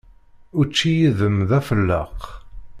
Učči yid-m d afelleq.